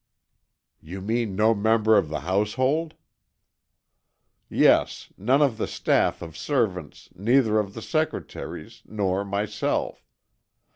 "You mean no member of the household?" "Yes, none of the staff of servants, neither of the secretaries, nor myself.